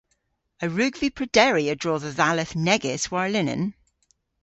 A wrug vy prederi a-dro dhe dhalleth negys warlinen?